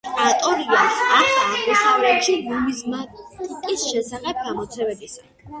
ავტორია ახლო აღმოსავლეთში ნუმიზმატიკის შესახებ გამოცემებისა.